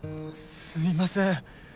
すいません。